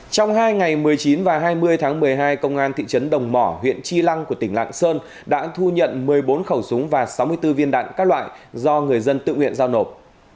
trong hai ngày một mươi chín và hai mươi tháng một mươi hai công an thị trấn đồng mỏ huyện chi lăng của tỉnh lạng sơn đã thu nhận một mươi bốn khẩu súng và sáu mươi bốn viên đạn các loại do người dân tự nguyện giao nộp